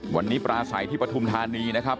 วันนี้ปราศัยที่ประธุมธานีนะครับ